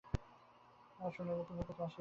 শুনিলে কী ভূপতি হাসিবে না?